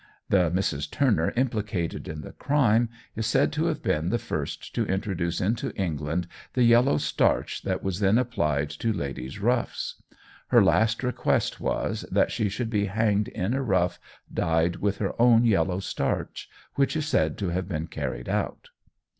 The Mrs. Turner implicated in the crime is said to have been the first to introduce into England the yellow starch that was then applied to ladies' ruffs. Her last request was, that she should be hanged in a ruff dyed with her own yellow starch, which is said to have been carried out.